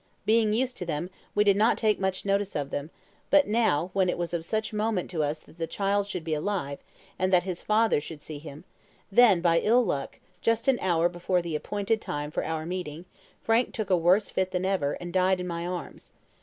Being used to them, we did not take much notice of them; but now, when it was of such moment to us that the child should be alive, and that his father should see him, then by ill luck, just an hour before the time appointed for our meeting, Frank took a worse fit than ever, and died in my arms.